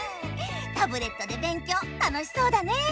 タブレットで勉強楽しそうだね。